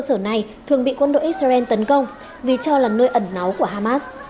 sở này thường bị quân đội israel tấn công vì cho là nơi ẩn náu của hamas